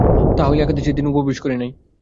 তাহা হইলে একাদশীর দিন উপবাস করে নাই।